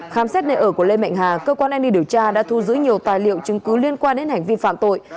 khám xét nơi ở của lê mạnh hà cơ quan an ninh điều tra đã thu giữ nhiều tài liệu chứng cứ liên quan đến hành vi phạm tội